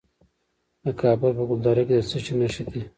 د کابل په ګلدره کې د څه شي نښې دي؟